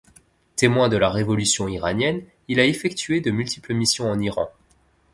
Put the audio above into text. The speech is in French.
Témoin de la révolution iranienne, il a effectué de multiples missions en Iran.